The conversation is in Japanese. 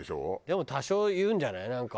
でも多少言うんじゃない？